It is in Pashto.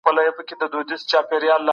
دغه کوچنی ډېر هوښیار او زحمتکښ دی.